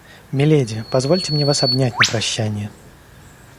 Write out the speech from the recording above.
Миледи, позвольте мне вас обнять на прощание.